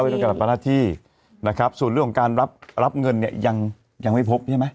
ละเว้นการปฏิบัติหน้าที่ส่วนเรื่องของการรับเงินเนี่ยยังไม่พบใช่ไหม